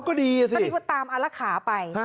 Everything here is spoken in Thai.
เขาคือตามอลคาไป